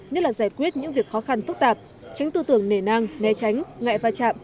nhất là giải quyết những việc khó khăn phức tạp tránh tư tưởng nề nang né tránh ngại va chạm